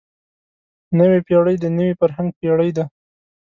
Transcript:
نوې پېړۍ د نوي فرهنګ پېړۍ ده.